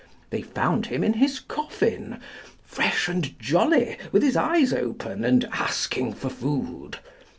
They found him in his coffin, fresh and jolly, with his eyes open, and asking for food.